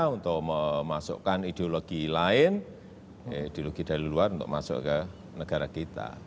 untuk memasukkan ideologi lain ideologi dari luar untuk masuk ke negara kita